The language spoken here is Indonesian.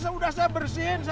semua ember comparing ya